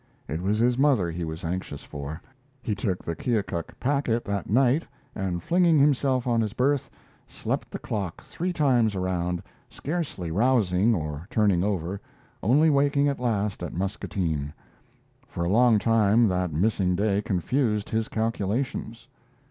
It was his mother he was anxious for. He took the Keokuk Packet that night, and, flinging himself on his berth, slept the clock three times around, scarcely rousing or turning over, only waking at last at Muscatine. For a long time that missing day confused his calculations.